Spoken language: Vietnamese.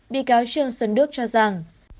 bị cáo trương xuân đức cho rằng